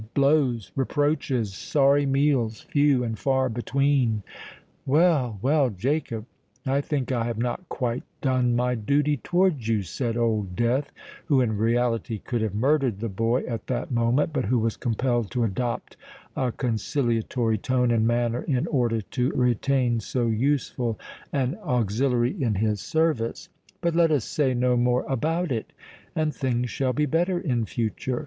Blows—reproaches—sorry meals, few and far between——" "Well, well, Jacob—I think I have not quite done my duty towards you," said Old Death, who in reality could have murdered the boy at that moment, but who was compelled to adopt a conciliatory tone and manner in order to retain so useful an auxiliary in his service: "but let us say no more about it—and things shall be better in future.